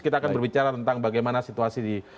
kita akan berbicara tentang bagaimana situasi di